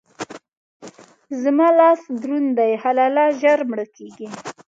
زما لاس دروند دی؛ حلاله ژر مړه کېږي.